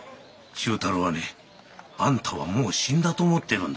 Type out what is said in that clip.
忠太郎はねあんたはもう死んだと思ってるんだ。